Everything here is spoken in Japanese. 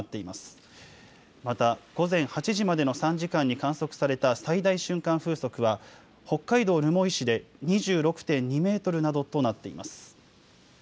また午前８時までの３時間に観測された最大瞬間風速は北海道留萌市で２６．２メートルなどとなっています。